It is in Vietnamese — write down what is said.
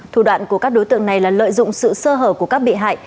thủ đoạn của các đối tượng này là lợi dụng sự sơ hở của các bị hại